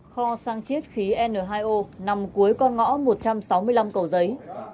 kho sang chiết khí n hai o nằm cuối con ngõ một trăm sáu mươi năm cầu giấy